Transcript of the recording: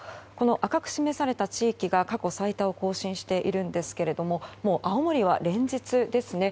赤く示された地域が過去最多を更新しているんですが青森は連日ですね。